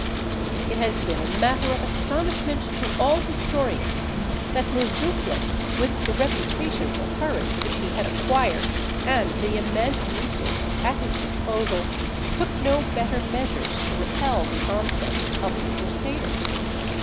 It has been a matter of astonishment to all historians, that Murzuphlis, with the reputation for courage which he had acquired, and the immense resources at his disposal, took no better measures to repel the onset of the Crusaders.